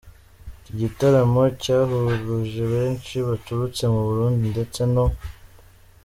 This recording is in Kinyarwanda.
Iki gitaramo cyahuruje benshi baturutse mu Burundi ndetse no.